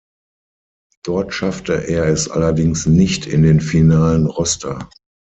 Dort schaffte er es allerdings nicht in den finalen Roster.